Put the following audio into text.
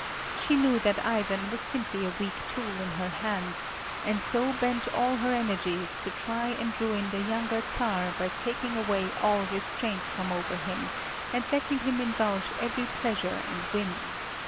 She knew that Ivan was simply a weak tool in her hands, and so bent all her energies to try and ruin the younger Czar by taking away all restraint from over him, and letting him indulge every pleasure and whim.